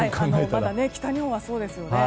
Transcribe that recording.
まだ北日本はそうですよね。